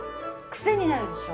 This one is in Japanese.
癖になるでしょ。